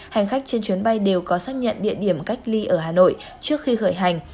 hành khách trên chuyến bay đều có xác nhận địa điểm cách ly ở hà nội trước khi khởi hành